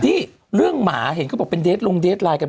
นี่เรื่องหมาเห็นเขาบอกเป็นเดสลงเดสไลน์กัน